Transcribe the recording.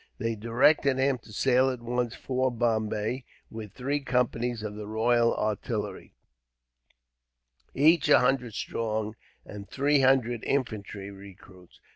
They directed him to sail at once for Bombay, with three companies of the Royal Artillery, each a hundred strong, and three hundred infantry recruits.